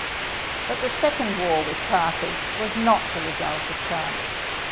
But the second war with Carthage was not the result of chance.